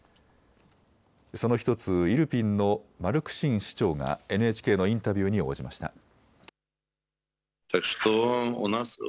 その１つ、イルピンのマルクシン市長がＮＨＫのインタビューに応じました。